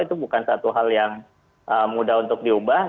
itu bukan satu hal yang mudah untuk diubah